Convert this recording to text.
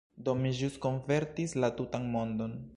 Do, mi ĵus konvertis la tutan mondon!